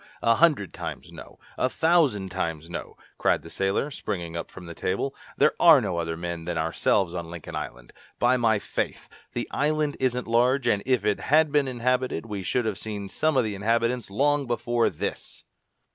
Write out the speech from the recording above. a hundred times no! a thousand times no!" cried the sailor, springing up from the table. "There are no other men than ourselves on Lincoln Island! By my faith! The island isn't large, and if it had been inhabited, we should have seen some of the inhabitants long before this!"